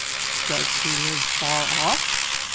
"Does she live far off?"